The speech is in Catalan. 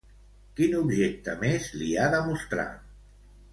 Quin objecte més li ha de mostrar?